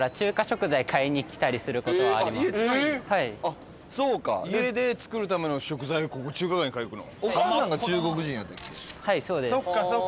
あっそうか家で作るための食材を中華街に買いに来るの。